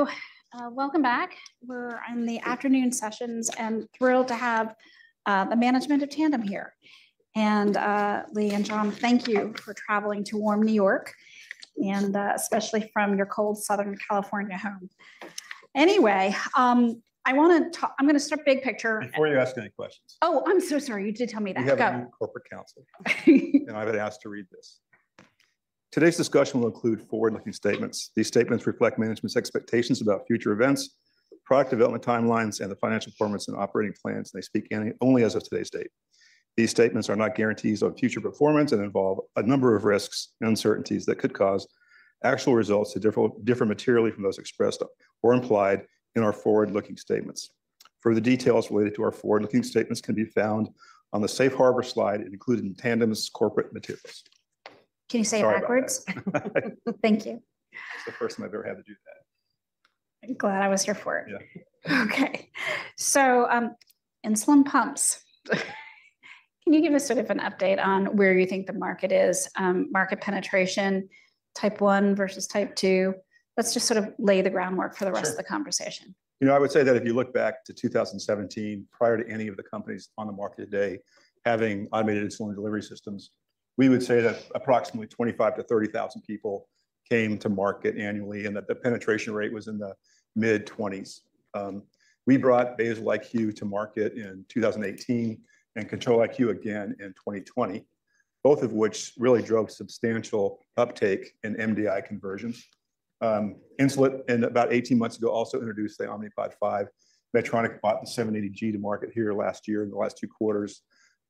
So, welcome back. We're in the afternoon sessions and thrilled to have the management of Tandem here. Leigh and John, thank you for traveling to warm New York, and especially from your cold Southern California home. Anyway, I want to talk. I'm going to start big picture. Before you ask any questions. Oh, I'm so sorry. You did tell me that. We have a new corporate counsel, and I've been asked to read this. Today's discussion will include forward-looking statements. These statements reflect management's expectations about future events, product development timelines, and the financial performance and operating plans, and they speak only as of today's date. These statements are not guarantees on future performance and involve a number of risks and uncertainties that could cause actual results to differ materially from those expressed or implied in our forward-looking statements. Further details related to our forward-looking statements can be found on the Safe Harbor slide included in Tandem's corporate materials. Can you say it backwards? Thank you. That's the first time I've ever had to do that. I'm glad I was here for it. Yeah. Okay. So, insulin pumps. Can you give us sort of an update on where you think the market is? Market penetration, Type 1 versus Type 2. Let's just sort of lay the groundwork for the rest of the conversation. Sure. You know, I would say that if you look back to 2017, prior to any of the companies on the market today having automated insulin delivery systems, we would say that approximately 25,000 to 30,000 people came to market annually, and that the penetration rate was in the mid-20s. We brought Basal-IQ to market in 2018 and Control-IQ again in 2020, both of which really drove substantial uptake in MDI conversions. Insulet, in about 18 months ago, also introduced the Omnipod 5. Medtronic brought the 780G to market here last year in the last two quarters.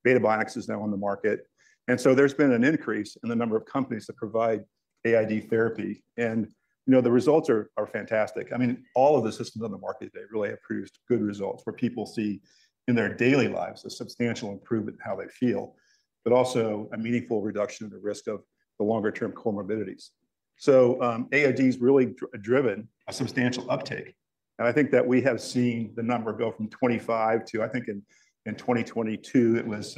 Beta Bionics is now on the market. And so there's been an increase in the number of companies that provide AID therapy. And, you know, the results are—are fantastic. I mean, all of the systems on the market today really have produced good results where people see in their daily lives a substantial improvement in how they feel, but also a meaningful reduction in the risk of the longer-term comorbidities. So, AID is really driven, a substantial uptake. And I think that we have seen the number go from 25 to, I think, in 2022, it was,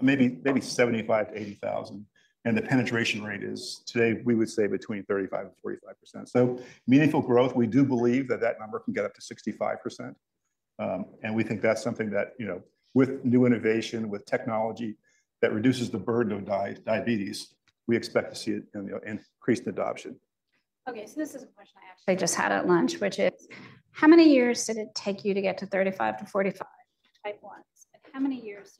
maybe 75,000 to 80,000. And the penetration rate is today, we would say, between 35% and 45%. So meaningful growth. We do believe that that number can get up to 65%. And we think that's something that, you know, with new innovation, with technology that reduces the burden of diabetes, we expect to see it in the increased adoption. Okay. So this is a question I actually just had at lunch, which is, how many years did it take you to get to 35%-45% for Type 1s? And how many years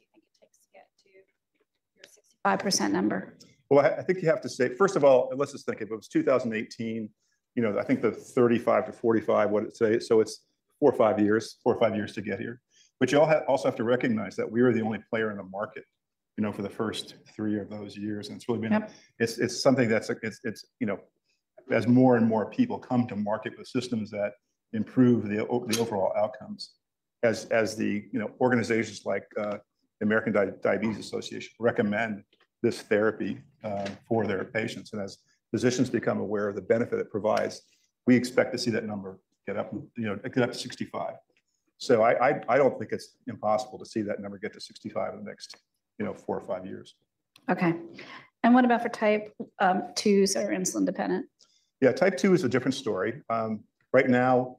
do you think it takes to get to your 65% number? Well, I think you have to say, first of all, let's just think of it was 2018. You know, I think the 35%-45%, what it's today, so it's four or five years-four or five years to get here. But you all also have to recognize that we were the only player in the market, you know, for the first three of those years. And it's really been something that's, you know, as more and more people come to market with systems that improve the overall outcomes, as the, you know, organizations like, the American Diabetes Association recommend this therapy, for their patients. And as physicians become aware of the benefit it provides, we expect to see that number get up—you know, get up to 65%. So I don't think it's impossible to see that number get to 65% in the next, you know, four or five years. Okay. What about for Type 2s that are insulin-dependent? Yeah. Type 2 is a different story. Right now,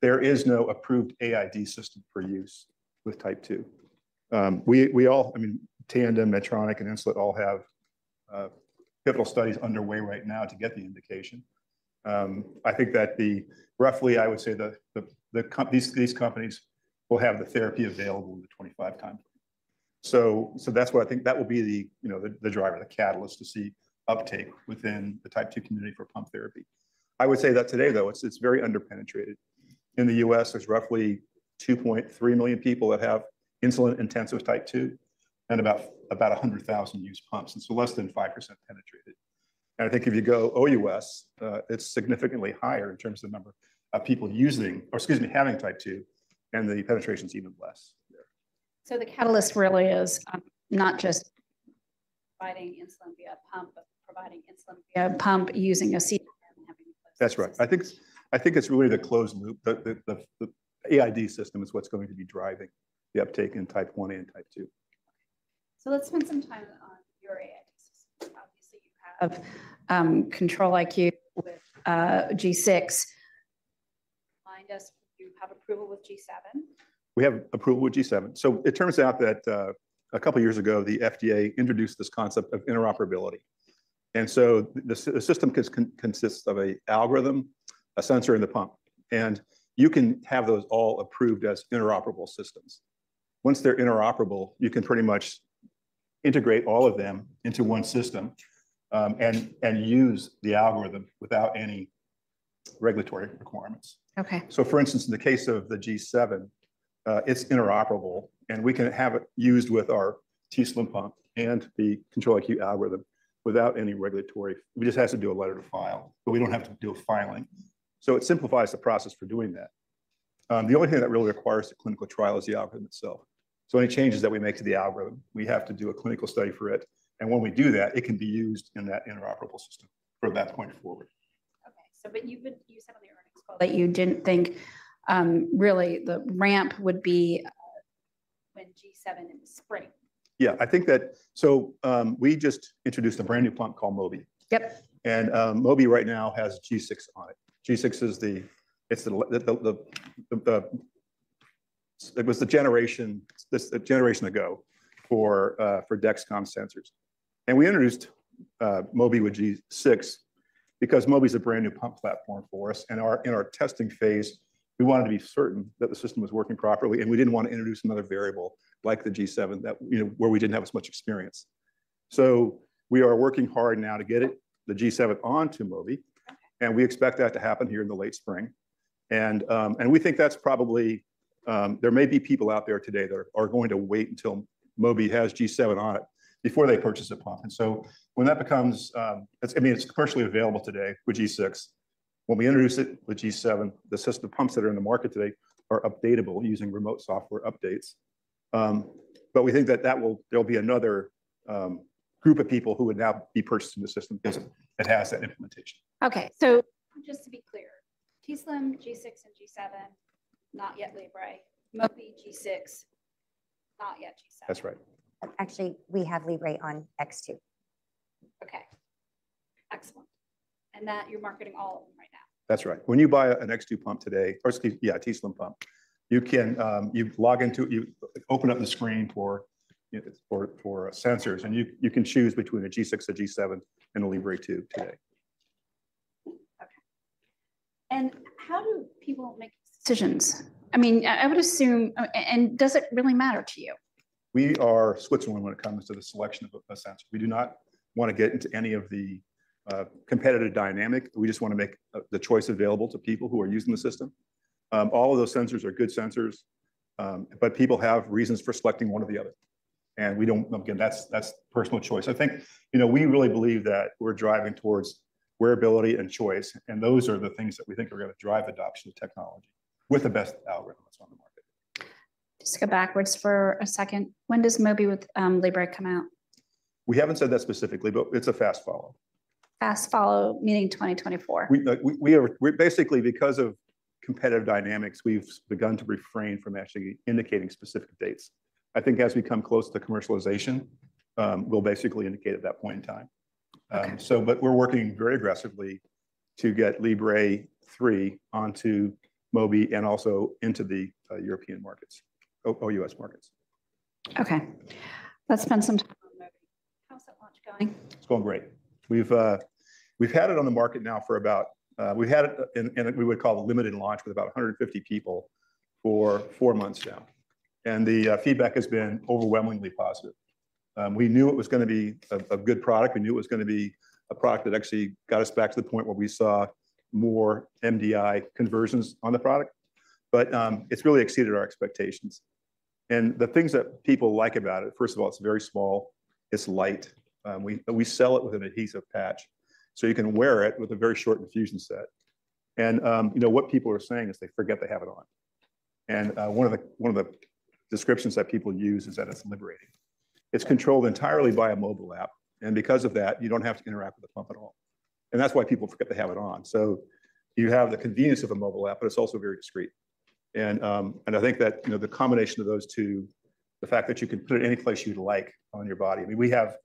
there is no approved AID system for use with Type 2. We all—I mean, Tandem, Medtronic, and Insulet all have pivotal studies underway right now to get the indication. I think that the—roughly, I would say the companies will have the therapy available in the 2025 timeframe. So that's what I think that will be the, you know, the driver, the catalyst to see uptake within the Type 2 community for pump therapy. I would say that today, though, it's very under-penetrated. In the U.S., there's roughly 2.3 million people that have insulin-intensive Type 2 and about 100,000 use pumps. And so less than 5% penetrated. And I think if you go OUS, it's significantly higher in terms of the number of people using—or, excuse me, having Type 2. And the penetration is even less there. The catalyst really is, not just providing insulin via pump, but providing insulin via pump using a CGM and having the closed loop. That's right. I think it's really the closed-loop. The AID system is what's going to be driving the uptake in Type 1 and Type 2. Okay. So let's spend some time on your AID system. Obviously, you have Control-IQ with G6. Remind us, do you have approval with G7? We have approval with G7. So it turns out that, a couple of years ago, the FDA introduced this concept of interoperability. And so the system consists of an algorithm, a sensor, and the pump. And you can have those all approved as interoperable systems. Once they're interoperable, you can pretty much integrate all of them into one system, and use the algorithm without any regulatory requirements. Okay. So, for instance, in the case of the G7, it's interoperable. We can have it used with our t:slim pump and the Control-IQ algorithm without any regulatory—it just has to do a letter to file. We don't have to do a filing. It simplifies the process for doing that. The only thing that really requires a clinical trial is the algorithm itself. Any changes that we make to the algorithm, we have to do a clinical study for it. When we do that, it can be used in that interoperable system from that point forward. Okay. So, but you've been—you said on the earnings call that you didn't think, really, the ramp would be when G7 in the spring. Yeah. I think that—so, we just introduced a brand new pump called Mobi. Yep. Mobi right now has G6 on it. G6 is the—it's the generation ago for Dexcom sensors. We introduced Mobi with G6 because Mobi is a brand new pump platform for us. In our testing phase, we wanted to be certain that the system was working properly. We didn't want to introduce another variable like the G7 that, you know, where we didn't have as much experience. So we are working hard now to get the G7 onto Mobi. We expect that to happen here in the late spring. We think that's probably. There may be people out there today that are going to wait until Mobi has G7 on it before they purchase a pump. When that becomes, it's—I mean, it's commercially available today with G6. When we introduce it with G7, the system, the pumps that are in the market today are updatable using remote software updates. But we think that that will, there'll be another group of people who would now be purchasing the system because it has that implementation. Okay. So just to be clear, t:slim, G6, and G7, not yet Libre. Mobi, G6, not yet G7. That's right. Actually, we have Libre on X2. Okay. Excellent. And that you're marketing all of them right now. That's right. When you buy an X2 pump today, or excuse me, yeah, a t:slim pump, you can, you log into it, you open up the screen for, you know, sensors. And you can choose between a G6, a G7, and a Libre 2 today. Okay. How do people make decisions? I mean, I would assume, and does it really matter to you? We are Switzerland when it comes to the selection of a sensor. We do not want to get into any of the competitive dynamic. We just want to make the choice available to people who are using the system. All of those sensors are good sensors. But people have reasons for selecting one or the other. And we don't, again, that's, that's personal choice. I think, you know, we really believe that we're driving towards wearability and choice. And those are the things that we think are going to drive adoption of technology with the best algorithm that's on the market. Just go backwards for a second. When does Mobi with Libre come out? We haven't said that specifically, but it's a fast follow. Fast follow, meaning 2024. We're basically, because of competitive dynamics, we've begun to refrain from actually indicating specific dates. I think as we come close to commercialization, we'll basically indicate at that point in time. But we're working very aggressively to get Libre 3 onto Mobi and also into the European markets, OUS markets. Okay. Let's spend some time on Mobi. How's that launch going? It's going great. We've had it on the market now for about. We've had it in a limited launch with about 150 people for four months now. And the feedback has been overwhelmingly positive. We knew it was going to be a good product. We knew it was going to be a product that actually got us back to the point where we saw more MDI conversions on the product. But it's really exceeded our expectations. And the things that people like about it, first of all, it's very small. It's light. We sell it with an adhesive patch. So you can wear it with a very short infusion set. And you know, what people are saying is they forget they have it on. And one of the descriptions that people use is that it's liberating. It's controlled entirely by a mobile app. And because of that, you don't have to interact with the pump at all. And that's why people forget to have it on. So you have the convenience of a mobile app, but it's also very discreet. And I think that, you know, the combination of those two, the fact that you can put it any place you'd like on your body—I mean, we have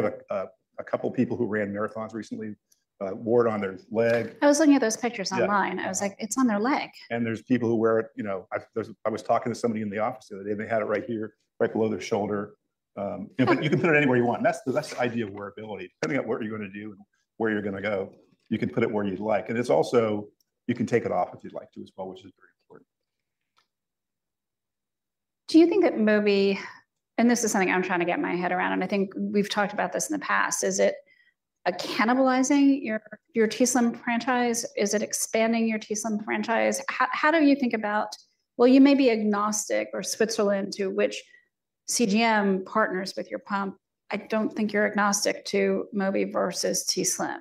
a couple of people who ran marathons recently, wore it on their leg. I was looking at those pictures online. I was like, "It's on their leg." There's people who wear it, you know. I was talking to somebody in the office the other day, and they had it right here, right below their shoulder. You know, but you can put it anywhere you want. That's the idea of wearability. Depending on what you're going to do and where you're going to go, you can put it where you'd like. You can take it off if you'd like to as well, which is very important. Do you think that Mobi, and this is something I'm trying to get my head around, and I think we've talked about this in the past, is it cannibalizing your t:slim franchise? Is it expanding your t:slim franchise? How do you think about, well, you may be agnostic or Switzerland to which CGM partners with your pump. I don't think you're agnostic to Mobi versus t:slim.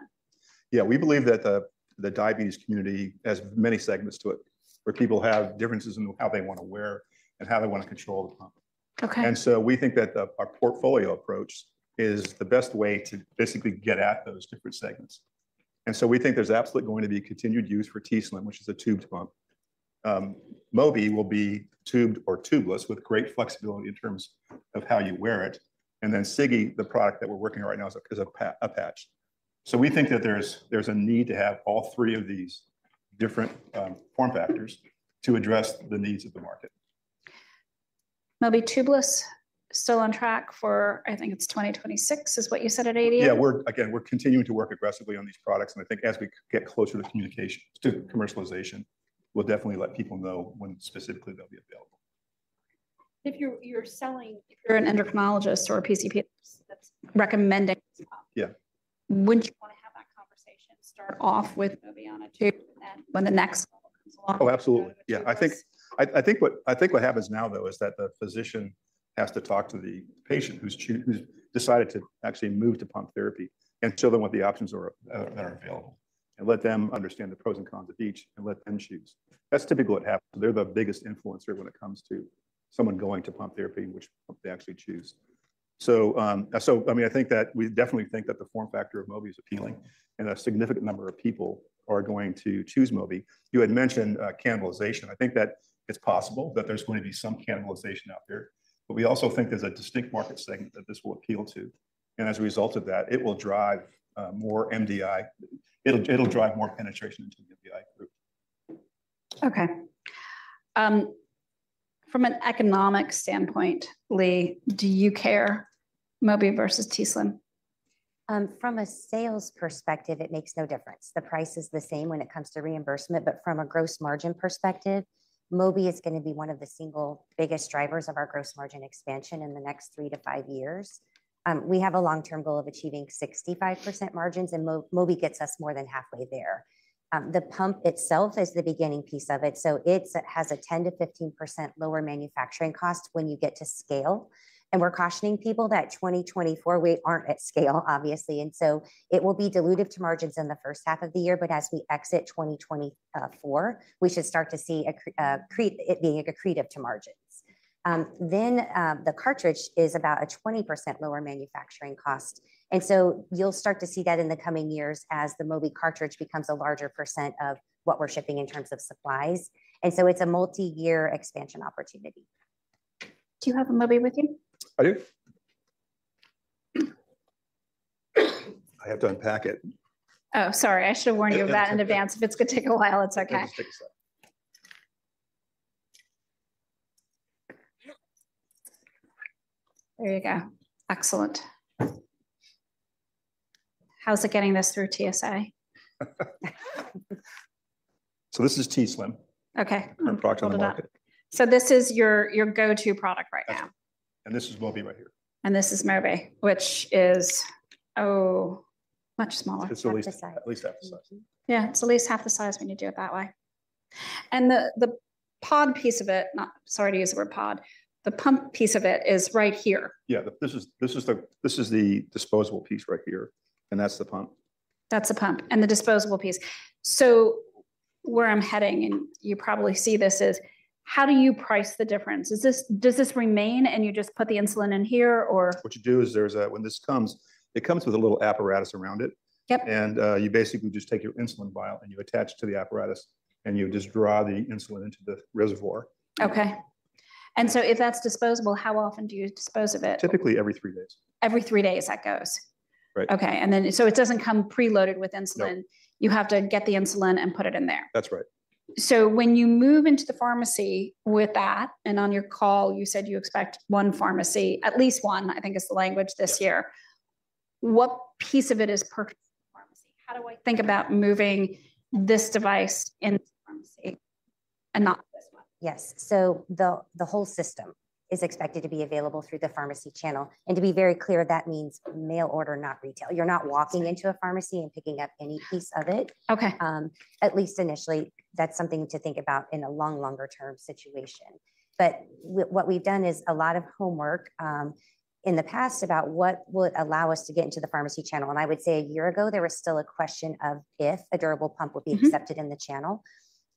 Yeah. We believe that the diabetes community has many segments to it where people have differences in how they want to wear and how they want to control the pump. Okay. We think that our portfolio approach is the best way to basically get at those different segments. We think there's absolutely going to be continued use for t:slim, which is a tubed pump. Mobi will be tubed or tubeless with great flexibility in terms of how you wear it. Then Sigi, the product that we're working on right now, is a patch. We think that there's a need to have all three of these different form factors to address the needs of the market. Mobi tubeless, still on track for, I think it's 2026, is what you said at ADA? Yeah. We're again, we're continuing to work aggressively on these products. I think as we get closer to communication to commercialization, we'll definitely let people know when specifically they'll be available. If you're an endocrinologist or a PCP that's recommending this pump. Yeah. Wouldn't you want to have that conversation start off with Mobi on a tube and then when the next model comes along? Oh, absolutely. Yeah. I think what happens now, though, is that the physician has to talk to the patient who's decided to actually move to pump therapy and show them what the options are that are available and let them understand the pros and cons of each and let them choose. That's typically what happens. They're the biggest influencer when it comes to someone going to pump therapy and which pump they actually choose. So, I mean, I think that we definitely think that the form factor of Mobi is appealing. And a significant number of people are going to choose Mobi. You had mentioned cannibalization. I think that it's possible that there's going to be some cannibalization out there. But we also think there's a distinct market segment that this will appeal to. And as a result of that, it will drive more MDI. It'll drive more penetration into the MDI group. Okay. From an economic standpoint, Leigh, do you care Mobi versus t:slim? From a sales perspective, it makes no difference. The price is the same when it comes to reimbursement. But from a gross margin perspective, Mobi is going to be one of the single biggest drivers of our gross margin expansion in the next 3-5 years. We have a long-term goal of achieving 65% margins. And Mobi gets us more than halfway there. The pump itself is the beginning piece of it. So it has a 10%-15% lower manufacturing cost when you get to scale. And we're cautioning people that 2024, we aren't at scale, obviously. And so it will be dilutive to margins in the first half of the year. But as we exit 2024, we should start to see it being accretive to margins. Then, the cartridge is about a 20% lower manufacturing cost. You'll start to see that in the coming years as the Mobi cartridge becomes a larger percent of what we're shipping in terms of supplies. It's a multi-year expansion opportunity. Do you have a Mobi with you? I do. I have to unpack it. Oh, sorry. I should have warned you of that in advance. If it's going to take a while, it's okay. I'll just take a sec. There you go. Excellent. How's it getting this through TSA? So this is t:slim. Okay. Our product on the market. So this is your-your go-to product right now. This is Mobi right here. This is Mobi, which is, oh, much smaller. It's at least half the size. Yeah. It's at least half the size when you do it that way. And the pod piece of it—not sorry to use the word pod. The pump piece of it is right here. Yeah. This is the disposable piece right here. And that's the pump. That's the pump and the disposable piece. So where I'm heading, and you probably see this, is how do you price the difference? Is this, does this remain, and you just put the insulin in here, or? What you do is, when this comes, it comes with a little apparatus around it. Yep. You basically just take your insulin vial, and you attach it to the apparatus. You just draw the insulin into the reservoir. Okay. And so if that's disposable, how often do you dispose of it? Typically, every three days. Every three days, that goes. Right. Okay. And then, so it doesn't come preloaded with insulin. No. You have to get the insulin and put it in there. That's right. So when you move into the pharmacy with that, and on your call, you said you expect one pharmacy, at least one, I think, is the language this year. What piece of it is purchased from the pharmacy? How do I think about moving this device into the pharmacy and not this one? Yes. So the whole system is expected to be available through the pharmacy channel. To be very clear, that means mail order, not retail. You're not walking into a pharmacy and picking up any piece of it. Okay. At least initially, that's something to think about in a long, longer-term situation. But what we've done is a lot of homework, in the past about what will allow us to get into the pharmacy channel. And I would say a year ago, there was still a question of if a durable pump would be accepted in the channel.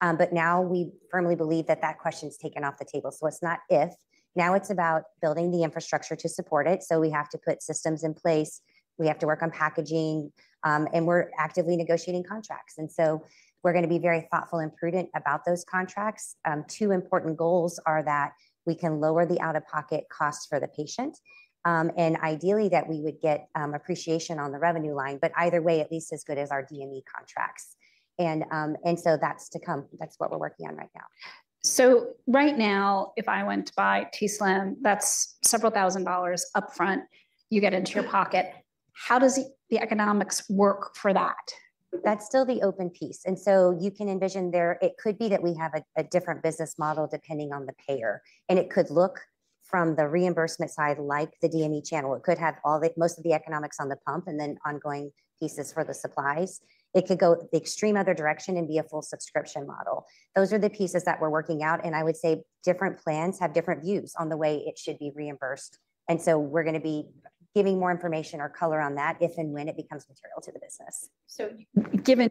But now we firmly believe that that question's taken off the table. So it's not if. Now it's about building the infrastructure to support it. So we have to put systems in place. We have to work on packaging, and we're actively negotiating contracts. And so we're going to be very thoughtful and prudent about those contracts. Two important goals are that we can lower the out-of-pocket costs for the patient, and ideally, that we would get appreciation on the revenue line. But either way, at least as good as our DME contracts. And so that's to come, that's what we're working on right now. Right now, if I went to buy t:slim, that's $several thousand upfront you get into your pocket. How does the economics work for that? That's still the open piece. And so you can envision there, it could be that we have a different business model depending on the payer. And it could look from the reimbursement side like the DME channel. It could have all the most of the economics on the pump and then ongoing pieces for the supplies. It could go the extreme other direction and be a full subscription model. Those are the pieces that we're working out. And I would say different plans have different views on the way it should be reimbursed. And so we're going to be giving more information or color on that if and when it becomes material to the business. So, given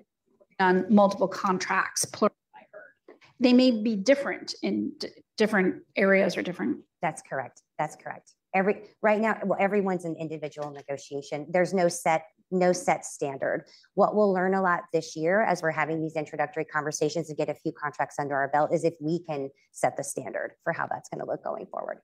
on multiple contracts, plural, I heard, they may be different in different areas or different. That's correct. That's correct. Right now, well, everyone's in individual negotiation. There's no set standard. What we'll learn a lot this year as we're having these introductory conversations and get a few contracts under our belt is if we can set the standard for how that's going to look going forward.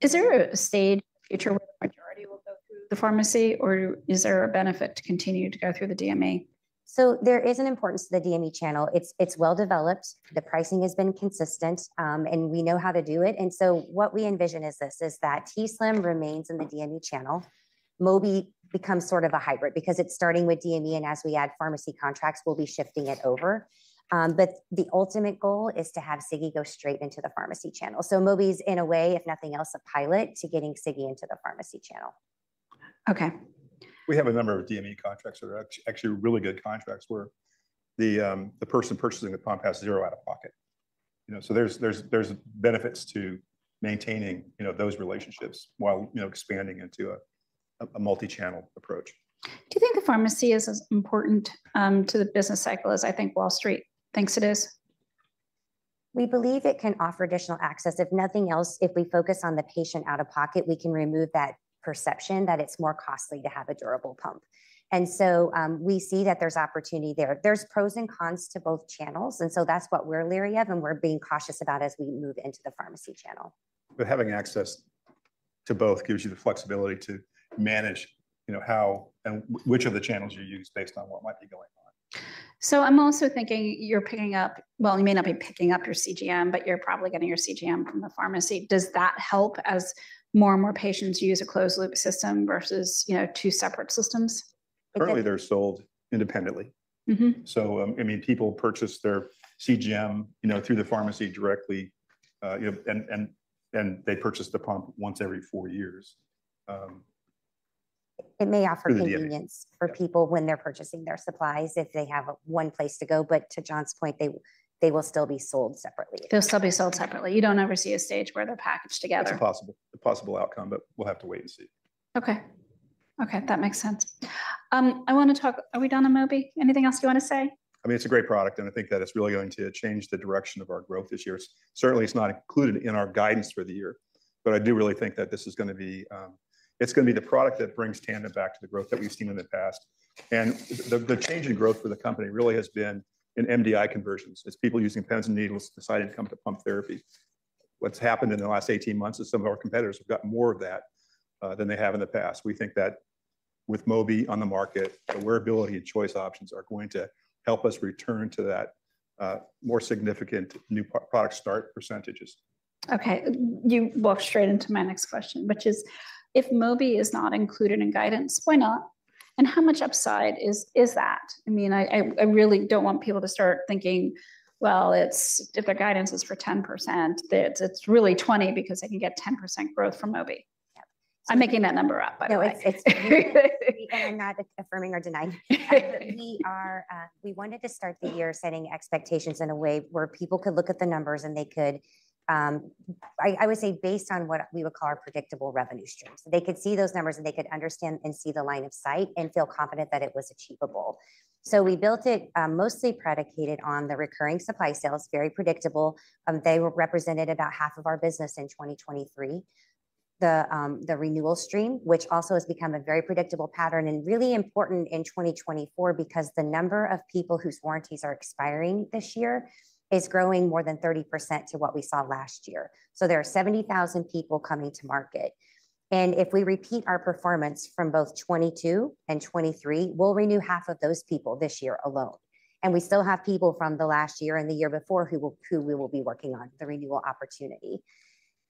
Is there a stage in the future where the majority will go through the pharmacy, or is there a benefit to continue to go through the DME? So there is an importance to the DME channel. It's well developed. The pricing has been consistent. And we know how to do it. And so what we envision is this: that t:slim remains in the DME channel. Mobi becomes sort of a hybrid because it's starting with DME. And as we add pharmacy contracts, we'll be shifting it over. But the ultimate goal is to have Sigi go straight into the pharmacy channel. So Mobi's, in a way, if nothing else, a pilot to getting Sigi into the pharmacy channel. Okay. We have a number of DME contracts that are actually really good contracts where the person purchasing the pump has zero out-of-pocket. You know, so there's benefits to maintaining, you know, those relationships while, you know, expanding into a multi-channel approach. Do you think the pharmacy is as important to the business cycle as I think Wall Street thinks it is? We believe it can offer additional access. If nothing else, if we focus on the patient out-of-pocket, we can remove that perception that it's more costly to have a durable pump. And so, we see that there's opportunity there. There's pros and cons to both channels. And so that's what we're leery of and we're being cautious about as we move into the pharmacy channel. Having access to both gives you the flexibility to manage, you know, how and which of the channels you use based on what might be going on. So I'm also thinking you're picking up, well, you may not be picking up your CGM, but you're probably getting your CGM from the pharmacy. Does that help as more and more patients use a closed-loop system versus, you know, two separate systems? Currently, they're sold independently. Mm-hmm. So, I mean, people purchase their CGM, you know, through the pharmacy directly, you know, and they purchase the pump once every four years. It may offer convenience for people when they're purchasing their supplies if they have one place to go. But to John's point, they will still be sold separately. They'll still be sold separately. You don't ever see a stage where they're packaged together. It's a possible outcome. But we'll have to wait and see. Okay. Okay. That makes sense. I want to talk? Are we done on Mobi? Anything else you want to say? I mean, it's a great product. And I think that it's really going to change the direction of our growth this year. Certainly, it's not included in our guidance for the year. But I do really think that this is going to be, it's going to be the product that brings Tandem back to the growth that we've seen in the past. And the change in growth for the company really has been in MDI conversions. It's people using pens and needles deciding to come to pump therapy. What's happened in the last 18 months is some of our competitors have gotten more of that, than they have in the past. We think that with Mobi on the market, the wearability and choice options are going to help us return to that, more significant new product start percentages. Okay. You walked straight into my next question, which is, if Mobi is not included in guidance, why not? And how much upside is-is that? I mean, I-I-I really don't want people to start thinking, "Well, it's if the guidance is for 10%, it's-it's really 20% because they can get 10% growth from Mobi. Yeah. I'm making that number up, by the way. it's we and I'm not affirming or denying that. But we wanted to start the year setting expectations in a way where people could look at the numbers, and they could, I would say based on what we would call our predictable revenue streams. So they could see those numbers, and they could understand and see the line of sight and feel confident that it was achievable. So we built it, mostly predicated on the recurring supply sales, very predictable. They represented about half of our business in 2023. The renewal stream, which also has become a very predictable pattern and really important in 2024 because the number of people whose warranties are expiring this year is growing more than 30% to what we saw last year. So there are 70,000 people coming to market. If we repeat our performance from both 2022 and 2023, we'll renew half of those people this year alone. We still have people from the last year and the year before who we will be working on the renewal opportunity.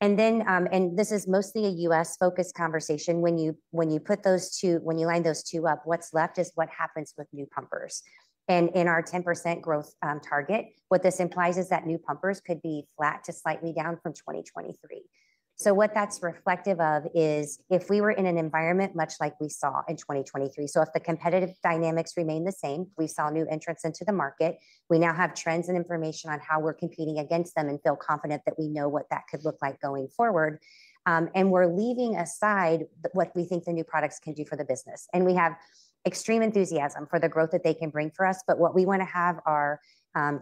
This is mostly a U.S.-focused conversation. When you line those two up, what's left is what happens with new pumpers. In our 10% growth target, what this implies is that new pumpers could be flat to slightly down from 2023. So what that's reflective of is if we were in an environment much like we saw in 2023. So if the competitive dynamics remain the same, we saw new entrants into the market. We now have trends and information on how we're competing against them and feel confident that we know what that could look like going forward. We're leaving aside what we think the new products can do for the business. We have extreme enthusiasm for the growth that they can bring for us. But what we want to have are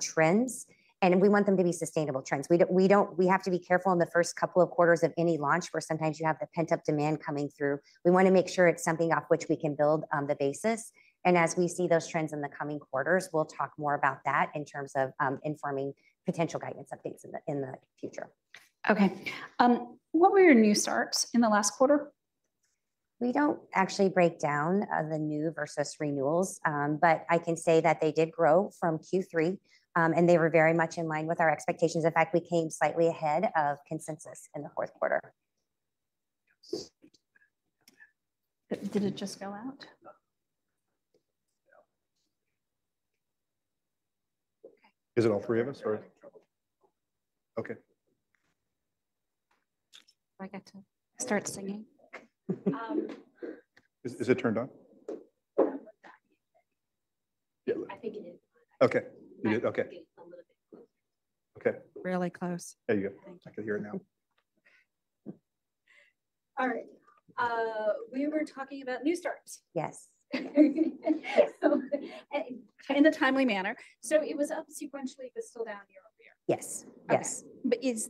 trends. We want them to be sustainable trends. We don't—we don't—we have to be careful in the first couple of quarters of any launch where sometimes you have the pent-up demand coming through. We want to make sure it's something off which we can build the basis. As we see those trends in the coming quarters, we'll talk more about that in terms of informing potential guidance updates in the—in the future. Okay. What were your new starts in the last quarter? We don't actually break down the new versus renewals. But I can say that they did grow from Q3, and they were very much in line with our expectations. In fact, we came slightly ahead of consensus in the fourth quarter. Did it just go out? Yeah. Okay. Is it all three of us, or? Okay. Do I get to start singing? Is it turned on? Yeah, I think it is. Okay. You did. Okay. Okay. Really close. There you go. Thank you. I can hear it now. All right. We were talking about new starts. Yes. In a timely manner. So it was up sequentially, but still down year-over-year. Yes. Yes. But if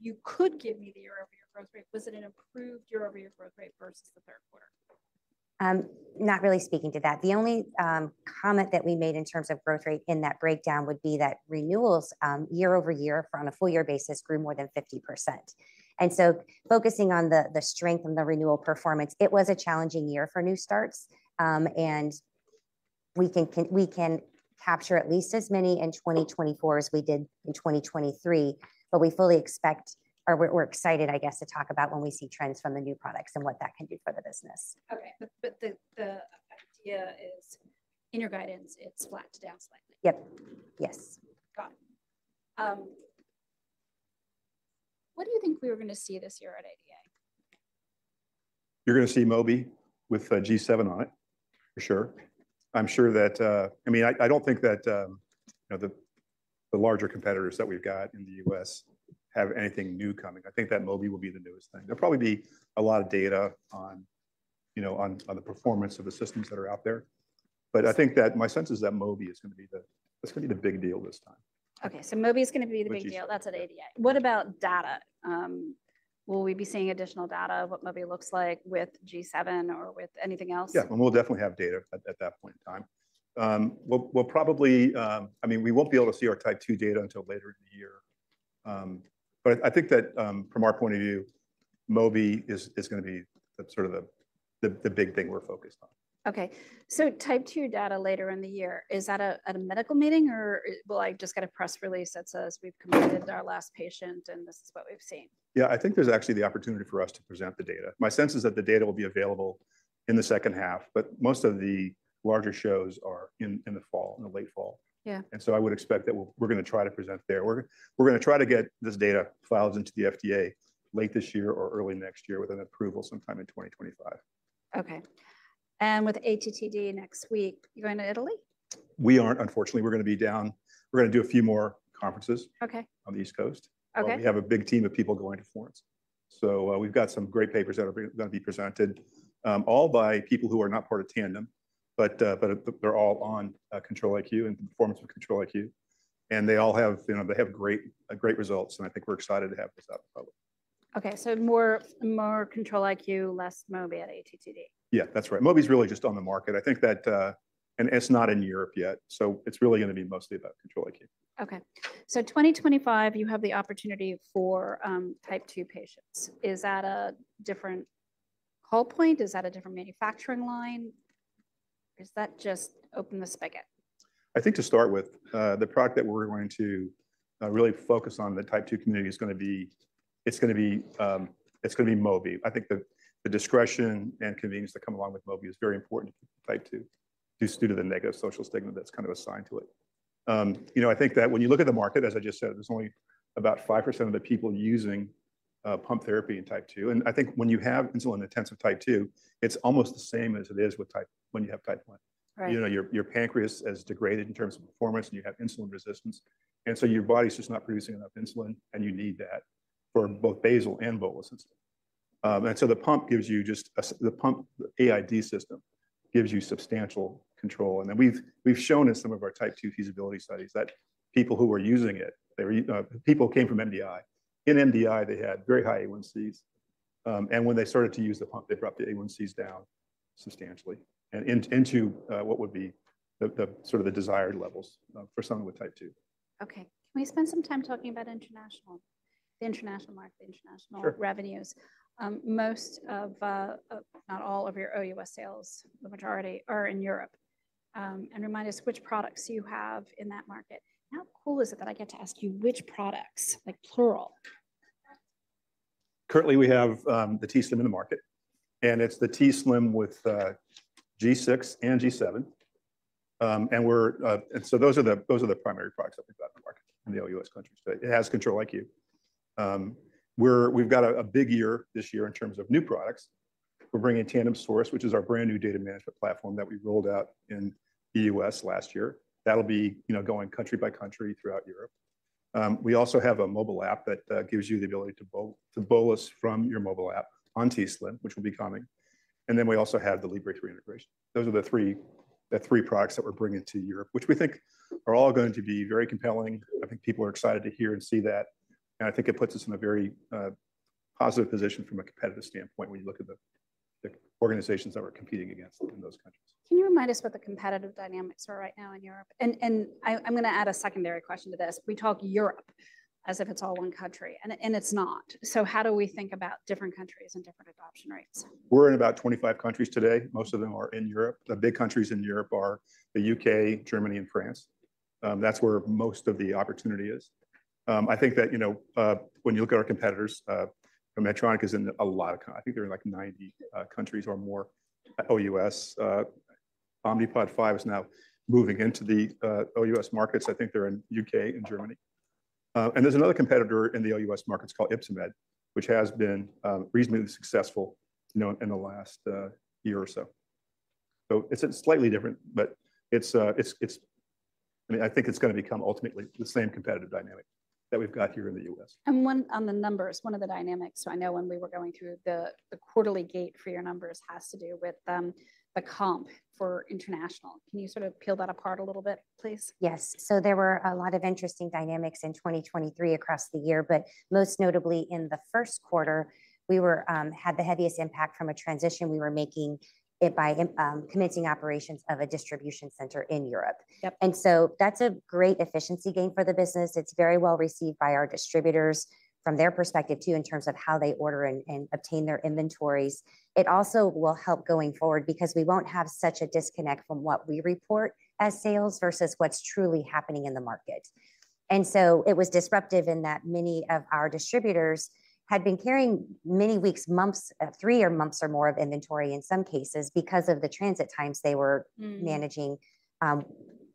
you could give me the year-over-year growth rate, was it an improved year-over-year growth rate versus the third quarter? Not really speaking to that. The only comment that we made in terms of growth rate in that breakdown would be that renewals, year-over-year, on a full-year basis, grew more than 50%. And so focusing on the strength and the renewal performance, it was a challenging year for new starts. And we can capture at least as many in 2024 as we did in 2023. But we fully expect—or we're excited, I guess, to talk about when we see trends from the new products and what that can do for the business. Okay. But the idea is, in your guidance, it's flat to down slightly. Yep. Yes. Got it. What do you think we were going to see this year at ADA? You're going to see Mobi with a G7 on it, for sure. I'm sure that, I mean, I don't think that, you know, the larger competitors that we've got in the U.S. have anything new coming. I think that Mobi will be the newest thing. There'll probably be a lot of data on, you know, the performance of the systems that are out there. But I think that my sense is that Mobi is going to be the, it's going to be the big deal this time. Okay. So Mobi is going to be the big deal. That's at ADA. What about data? Will we be seeing additional data of what Mobi looks like with G7 or with anything else? Yeah. And we'll definitely have data at that point in time. We'll probably, I mean, we won't be able to see our Type 2 data until later in the year. But I think that, from our point of view, Mobi is going to be the sort of the big thing we're focused on. Okay. So Type 2 data later in the year. Is that at a medical meeting, or will I just get a press release that says, "We've completed our last patient, and this is what we've seen"? Yeah. I think there's actually the opportunity for us to present the data. My sense is that the data will be available in the second half. But most of the larger shows are in the fall, in the late fall. Yeah. So I would expect that we're going to try to present there. We're going to try to get this data filed into the FDA late this year or early next year with an approval sometime in 2025. Okay. And with ATTD next week, you're going to Italy? We aren't, unfortunately. We're going to be down. We're going to do a few more conferences. Okay. On the East Coast. Okay. We have a big team of people going to Florence. So, we've got some great papers that are going to be presented, all by people who are not part of Tandem. But they're all on Control-IQ and the performance of Control-IQ. And they all have, you know, they have great, great results. And I think we're excited to have this out in public. Okay. So more Control-IQ, less Mobi at ATTD. Yeah. That's right. Mobi's really just on the market. I think that, and it's not in Europe yet. So it's really going to be mostly about Control-IQ. Okay. So 2025, you have the opportunity for Type 2 patients. Is that a different call point? Is that a different manufacturing line? Or is that just open the spigot? I think to start with, the product that we're going to really focus on in the Type 2 community is going to be. It's going to be, it's going to be Mobi. I think the discretion and convenience that come along with Mobi is very important to Type 2 due to the negative social stigma that's kind of assigned to it. You know, I think that when you look at the market, as I just said, there's only about 5% of the people using pump therapy in Type 2. And I think when you have insulin-intensive Type 2, it's almost the same as it is with Type when you have Type 1. Right. You know, your-your pancreas is degraded in terms of performance. You have insulin resistance. So your body's just not producing enough insulin. You need that for both basal and bolus insulin. So the pump gives you just a-the pump, the AID system, gives you substantial control. Then we've-we've shown in some of our Type 2 feasibility studies that people who were using it, they were- people came from MDI. In MDI, they had very high A1Cs. When they started to use the pump, they dropped the A1Cs down substantially and into-into what would be the-the sort of the desired levels for someone with Type 2. Okay. Can we spend some time talking about international, the international market, the international revenues? Sure. Most of, not all of your OUS sales, the majority, are in Europe. Remind us which products you have in that market. How cool is it that I get to ask you which products, like plural? Currently, we have the t:slim in the market. It's the t:slim with G6 and G7. And so those are the primary products that we've got in the market in the OUS countries. But it has Control-IQ. We've got a big year this year in terms of new products. We're bringing Tandem Source, which is our brand new data management platform that we rolled out in the U.S. last year. That'll be, you know, going country by country throughout Europe. We also have a mobile app that gives you the ability to bolus from your mobile app on t:slim, which will be coming. And then we also have the Libre 3 integration. Those are the three products that we're bringing to Europe, which we think are all going to be very compelling. I think people are excited to hear and see that. I think it puts us in a very positive position from a competitive standpoint when you look at the organizations that we're competing against in those countries. Can you remind us what the competitive dynamics are right now in Europe? And I'm going to add a secondary question to this. We talk Europe as if it's all one country. And it's not. So how do we think about different countries and different adoption rates? We're in about 25 countries today. Most of them are in Europe. The big countries in Europe are the U.K., Germany, and France. That's where most of the opportunity is. I think that, you know, when you look at our competitors, Medtronic is in a lot of—I think they're in like 90 countries or more. OUS, Omnipod 5 is now moving into the OUS markets. I think they're in the U.K. and Germany. And there's another competitor in the OUS markets called Ypsomed, which has been reasonably successful, you know, in the last year or so. So it's slightly different. But it's, I mean, I think it's going to become ultimately the same competitive dynamic that we've got here in the U.S. One on the numbers, one of the dynamics. So I know when we were going through the quarterly gate for your numbers has to do with the comp for international. Can you sort of peel that apart a little bit, please? Yes. So there were a lot of interesting dynamics in 2023 across the year. But most notably, in the first quarter, we had the heaviest impact from a transition we were making by commencing operations of a distribution center in Europe. Yep. And so that's a great efficiency gain for the business. It's very well received by our distributors from their perspective, too, in terms of how they order and obtain their inventories. It also will help going forward because we won't have such a disconnect from what we report as sales versus what's truly happening in the market. And so it was disruptive in that many of our distributors had been carrying many weeks, months, three or months or more of inventory in some cases because of the transit times they were managing,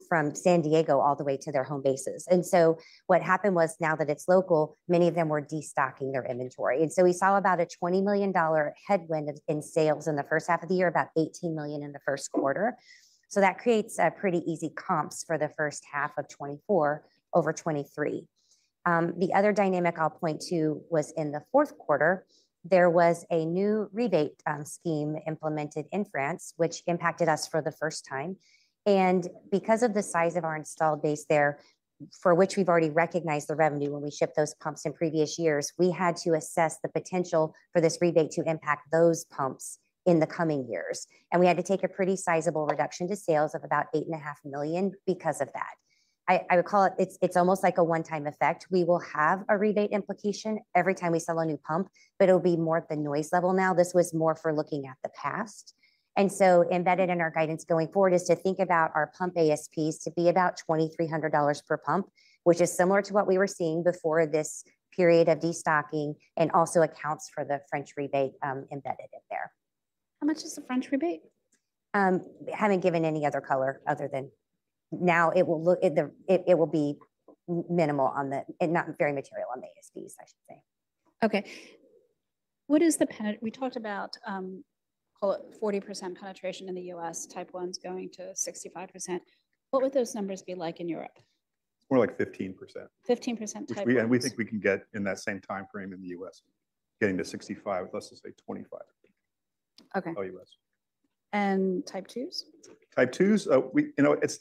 from San Diego all the way to their home bases. And so what happened was, now that it's local, many of them were destocking their inventory. And so we saw about a $20 million headwind in sales in the first half of the year, about $18 million in the first quarter. So that creates pretty easy comps for the first half of 2024 over 2023. The other dynamic I'll point to was in the fourth quarter. There was a new rebate scheme implemented in France, which impacted us for the first time. And because of the size of our installed base there, for which we've already recognized the revenue when we ship those pumps in previous years, we had to assess the potential for this rebate to impact those pumps in the coming years. And we had to take a pretty sizable reduction to sales of about $8.5 million because of that. I would call it, it's almost like a one-time effect. We will have a rebate implication every time we sell a new pump. But it'll be more at the noise level now. This was more for looking at the past. And so embedded in our guidance going forward is to think about our pump ASPs to be about $2,300 per pump, which is similar to what we were seeing before this period of destocking and also accounts for the French rebate, embedded in there. How much is the French rebate? haven't given any other color other than now it will look like it will be minimal on the P&L and not very material on the ASPs, I should say. Okay. What is the pen—we talked about, call it 40% penetration in the U.S., Type 1s going to 65%. What would those numbers be like in Europe? It's more like 15%. 15% Type 2. We think we can get in that same time frame in the U.S., getting to 65, let's just say 25% OUS. Okay. And Type 2s? Type 2s, we—you know, it's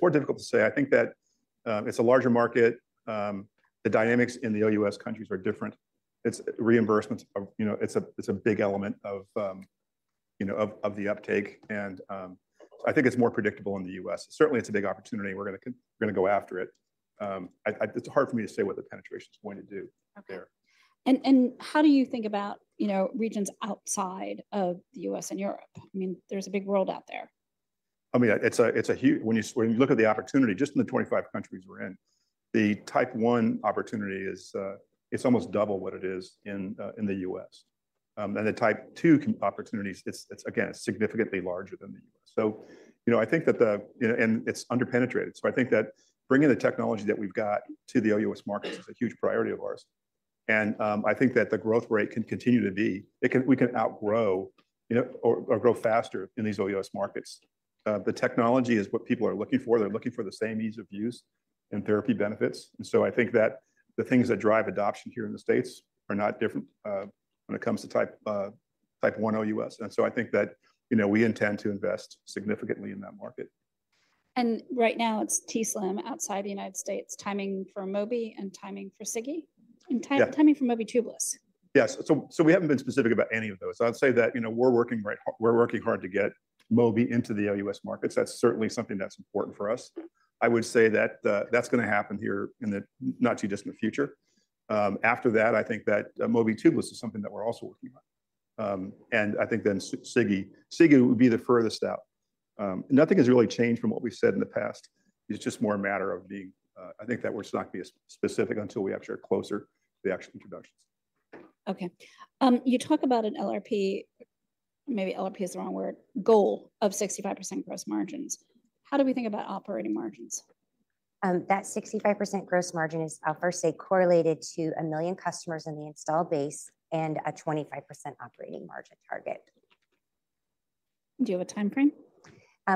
more difficult to say. I think that, it's a larger market. The dynamics in the OUS countries are different. It's reimbursements of, you know, it's a big element of, you know, of the uptake. So I think it's more predictable in the U.S. Certainly, it's a big opportunity. We're going to go after it. It's hard for me to say what the penetration's going to do there. Okay. And how do you think about, you know, regions outside of the U.S. and Europe? I mean, there's a big world out there. I mean, it's a huge opportunity when you look at the opportunity, just in the 25 countries we're in, the Type 1 opportunity is almost double what it is in the U.S. The Type 2 opportunities are, again, significantly larger than the U.S. So, you know, I think that, you know, it's underpenetrated. So I think that bringing the technology that we've got to the OUS markets is a huge priority of ours. And I think that the growth rate can continue to be. It can—we can outgrow, you know, or grow faster in these OUS markets. The technology is what people are looking for. They're looking for the same ease of use and therapy benefits. And so I think that the things that drive adoption here in the States are not different when it comes to Type 1 OUS. I think that, you know, we intend to invest significantly in that market. Right now, it's t:slim outside the United States, timing for Mobi and timing for Sigi and timing for Mobi tubeless. Yes. So we haven't been specific about any of those. I'd say that, you know, we're working right—we're working hard to get Mobi into the OUS markets. That's certainly something that's important for us. I would say that, that's going to happen here in the not too distant future. After that, I think that, Mobi tubeless is something that we're also working on. And I think then Sigi—Sigi would be the furthest out. Nothing has really changed from what we've said in the past. It's just more a matter of being, I think that we're just not going to be specific until we actually are closer to the actual introductions. Okay. You talk about an LRP, maybe LRP is the wrong word, goal of 65% gross margins. How do we think about operating margins? that 65% gross margin is, I'll first say, correlated to 1 million customers in the installed base and a 25% operating margin target. Do you have a time frame?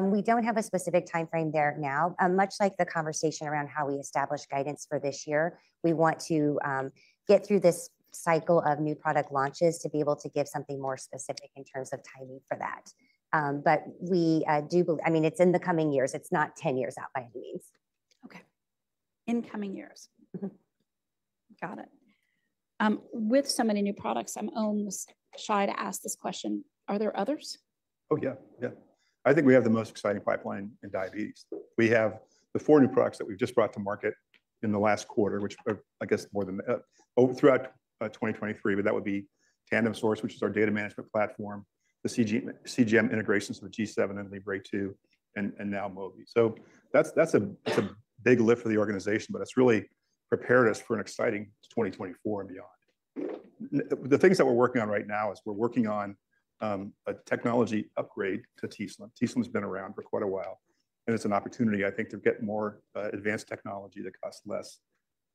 We don't have a specific time frame there now. Much like the conversation around how we establish guidance for this year, we want to get through this cycle of new product launches to be able to give something more specific in terms of timing for that. But we do believe—I mean, it's in the coming years. It's not 10 years out by any means. Okay. Incoming years. Got it. With so many new products, I'm almost shy to ask this question. Are there others? Oh, yeah. Yeah. I think we have the most exciting pipeline in diabetes. We have the four new products that we've just brought to market in the last quarter, which are, I guess, more than throughout 2023. But that would be Tandem Source, which is our data management platform, the CGM integrations of G7 and Libre 2, and now Mobi. So that's a big lift for the organization. But it's really prepared us for an exciting 2024 and beyond. The things that we're working on right now is we're working on a technology upgrade to t:slim. t:slim's been around for quite a while. And it's an opportunity, I think, to get more advanced technology that costs less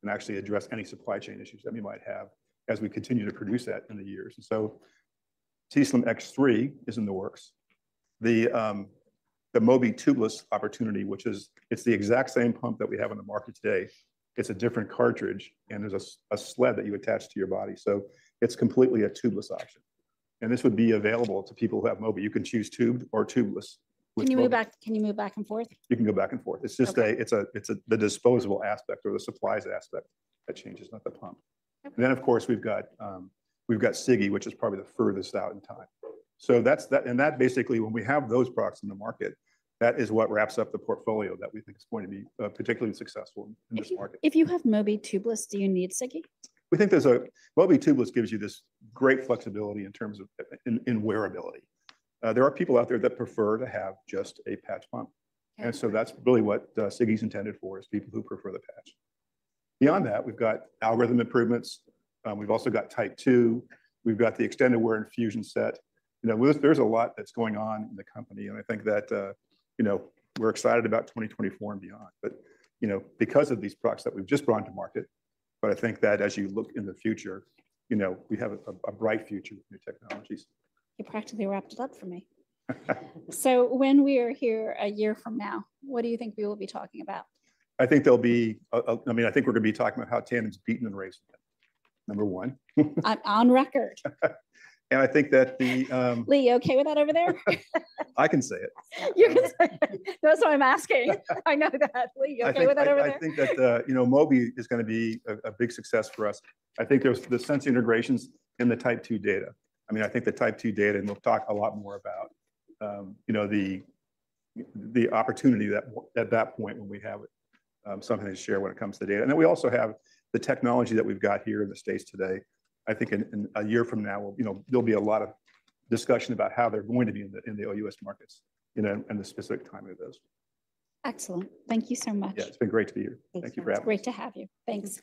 and actually address any supply chain issues that we might have as we continue to produce that in the years. And so t:slim X3 is in the works. The Mobi tubeless opportunity, which is. It's the exact same pump that we have in the market today. It's a different cartridge. And there's a sled that you attach to your body. So it's completely a tubeless option. And this would be available to people who have Mobi. You can choose tubed or tubeless, whichever one you want. Can you move back and forth? You can go back and forth. It's just the disposable aspect or the supplies aspect that changes, not the pump. Okay. And then, of course, we've got, we've got Sigi, which is probably the furthest out in time. So that's that, and that basically, when we have those products in the market, that is what wraps up the portfolio that we think is going to be, particularly successful in this market. If you have Mobi tubeless, do you need Sigi? We think Mobi tubeless gives you this great flexibility in terms of wearability. There are people out there that prefer to have just a patch pump. Okay. And so that's really what Sigi's intended for, is people who prefer the patch. Beyond that, we've got algorithm improvements. We've also got Type 2. We've got the extended wear infusion set. You know, there's a lot that's going on in the company. And I think that, you know, we're excited about 2024 and beyond. But, you know, because of these products that we've just brought into market. But I think that, as you look in the future, you know, we have a bright future with new technologies. You practically wrapped it up for me. So when we are here a year from now, what do you think we will be talking about? I think there'll be, I mean, I think we're going to be talking about how Tandem's beaten and raised again, number one. On record. I think that the- Leigh, you okay with that over there? I can say it. You can say it. That's why I'm asking. I know that. Le, you okay with that over there? I think that, you know, Mobi is going to be a big success for us. I think there's the sense of integrations in the Type 2 data. I mean, I think the Type 2 data—and we'll talk a lot more about, you know, the opportunity that at that point, when we have it, something to share when it comes to data. And then we also have the technology that we've got here in the States today. I think in a year from now, we'll, you know, there'll be a lot of discussion about how they're going to be in the OUS markets in the specific timing of those. Excellent. Thank you so much. Yeah. It's been great to be here. Thank you. Thank you for having me. Great to have you. Thanks.